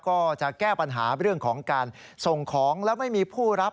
ก็จะแก้ปัญหาเรื่องของการส่งของแล้วไม่มีผู้รับ